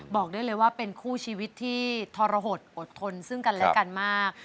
บอกได้เลยว่าเป็นคู่ชีวิตที่ทรหดอดทนซึ่งกันและกันมาก